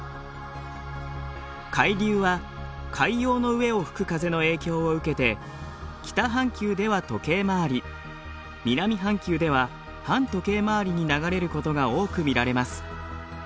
海流は海洋の上を吹く風の影響を受けて北半球では時計回り南半球では反時計回りに流れることが多く見られます。